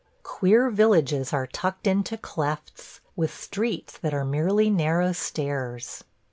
Queer villages are tucked into clefts, with streets that are merely narrow stairs.